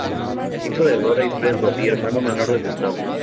Hijo de Dora y Pedro y hermano menor de Gustavo.